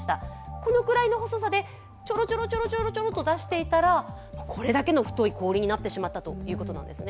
このくらいの細さでチョロチョロチョロと出していたら、これだけの太い氷になってしまったということなんですね。